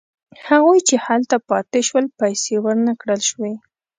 هغوی چې هلته پاتې شول پیسې ورنه کړل شوې.